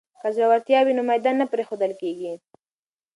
که زړورتیا وي نو میدان نه پریښودل کیږي.